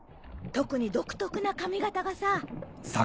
特に独特な髪形がさ。